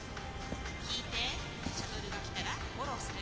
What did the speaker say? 引いてシャトルが来たらフォローする。